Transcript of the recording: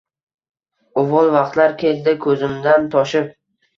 Uvol vaqtlar keldi ko’zimdan toshib